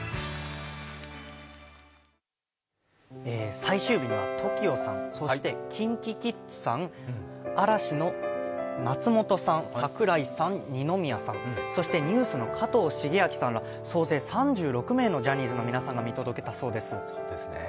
最終日にはＴＯＫＩＯさん、そしてＫｉｎＫｉＫｉｄｓさん、嵐の松本さん、櫻井さん、二宮さんそしてＮＥＷＳの加藤シゲアキさんら総勢３６名のジャニーズの皆さんが見届けたそうです。